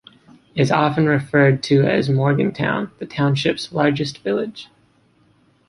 It is often referred to as Morgantown, the township's largest village.